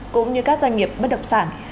cũng như các doanh nghiệp bất động sản